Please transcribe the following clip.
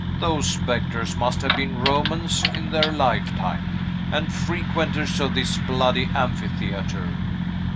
Those spectres must have been Romans, in their lifetime, and frequenters of this bloody amphitheatre."